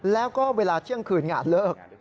แล้วก็เวลาเที่ยงคืนงานเลิก